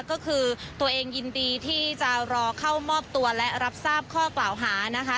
ก็คือตัวเองยินดีที่จะรอเข้ามอบตัวและรับทราบข้อกล่าวหานะคะ